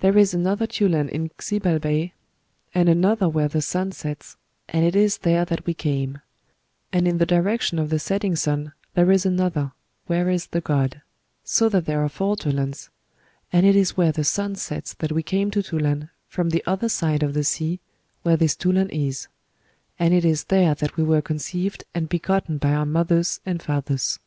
There is another Tulan in Xibalbay, and another where the sun sets, and it is there that we came; and in the direction of the setting sun there is another, where is the god; so that there are four Tulans; and it is where the sun sets that we came to Tulan, from the other side of the sea, where this Tulan is; and it is there that we were conceived and begotten by our mothers and fathers."